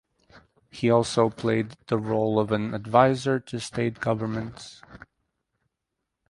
He also played the role of an advisor to State governments.